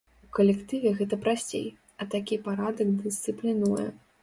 У калектыве гэта прасцей, а такі парадак дысцыплінуе.